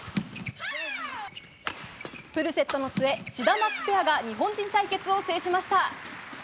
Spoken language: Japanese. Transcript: フルセットの末、シダマツペアが日本人対決を制しました。